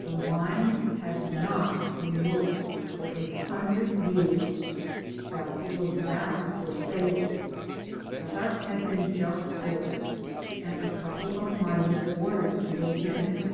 The mine had not been worked for a hundred years, but it was now for sale. The hut had been 'just built^ and a couple of miners ordered to live in it.